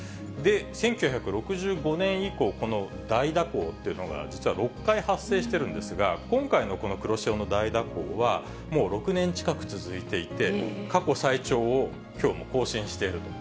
１９６５年以降、この大蛇行というのが実は６回発生してるんですが、今回のこの黒潮の大蛇行は、もう６年近く続いていて、過去最長をきょうも更新していると。